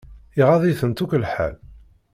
Iɣaḍ-itent akk lḥal.